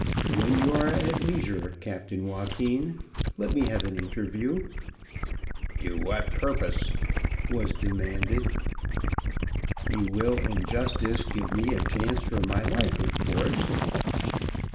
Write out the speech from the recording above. "When you are at leisure, Captain Joaquin, let me have an interview." "To what purpose?" was demanded. "You will, in justice, give me a chance for my life, of course."